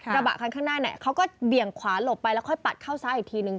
กระบะคันข้างหน้าเขาก็เบี่ยงขวาหลบไปแล้วค่อยปัดเข้าซ้ายอีกทีนึง